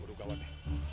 buru gawat ya